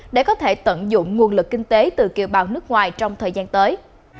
để có thể tận dụng nguồn lực kinh tế từ kiều bào nước ngoài trong thời gian tới